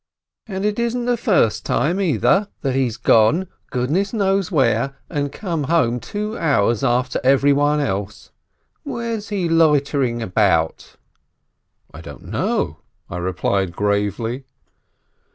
And it isn't the first time, either, MANASSEH 367 that he's gone, goodness knows where, and come home two hours after everyone else. Where's he loitering about?" "I don't know," I replied gravely.